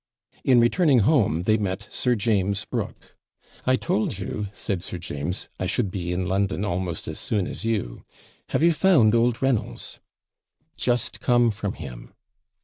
In returning home they met Sir James Brooke. 'I told you,' said Sir James, 'I should be in London almost as soon as you. Have you found old Reynolds!' 'Just come from him.'